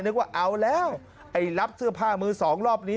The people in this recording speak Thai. นึกว่าเอาแล้วไอ้รับเสื้อผ้ามือสองรอบนี้